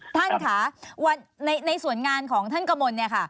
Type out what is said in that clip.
ท่านค่ะในส่วนงานของท่านกระมวลเนี่ยค่ะ